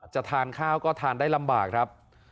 จะทานข้าวก็ทานได้แล้วนะครับ